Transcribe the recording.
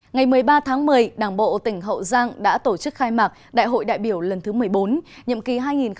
ngày một mươi ba tháng một mươi đảng bộ tỉnh hậu giang đã tổ chức khai mạc đại hội đại biểu lần thứ một mươi bốn nhiệm kỳ hai nghìn hai mươi hai nghìn hai mươi năm